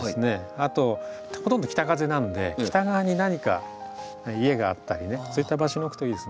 あとほとんど北風なんで北側に何か家があったりねそういった場所に置くといいですね。